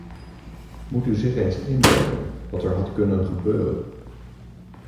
Moet u zich eens indenken wat er had kunnen gebeuren!